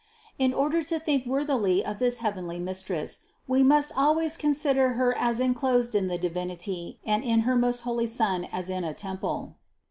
In order to think worthily of this heavenly Mistress, we must always consider Her as enclosed in the Divinity and in her most holy Son as in a temple.